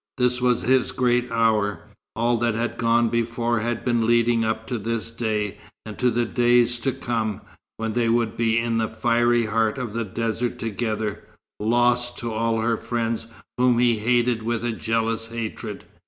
This was his great hour. All that had gone before had been leading up to this day, and to the days to come, when they would be in the fiery heart of the desert together, lost to all her friends whom he hated with a jealous hatred.